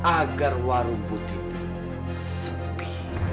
agar warung putih sepi